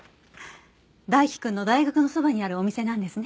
大樹くんの大学のそばにあるお店なんですね。